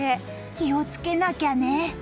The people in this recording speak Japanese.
気をつけなきゃね。